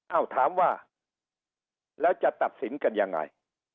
ถามว่าแล้วจะตัดสินกันยังไง